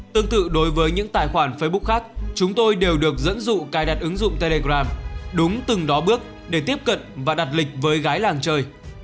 tương tự đối với những tài khoản facebook khác chúng tôi đều được dẫn dụ cài đặt ứng dụng telegram đúng từng đó bước để tiếp cận và đặt lịch với gái làng chơi